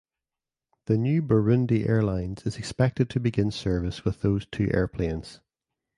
The new Burundi Airlines is expected to begin service with those two airplanes.